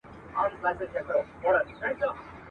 یوه بل ته یې د زړه وکړې خبري ..